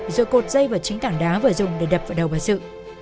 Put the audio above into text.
rồi cột dây vào chính tảng đá vừa dùng để đập vào đầu bà sự